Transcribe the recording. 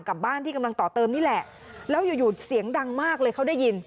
บ้านที่กำลังต่อเติมนี่แหละแล้วอยู่อยู่เสียงดังมากเลยเขาได้ยิน